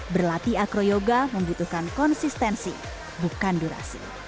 berlatih acroyoga membutuhkan konsistensi bukan durasi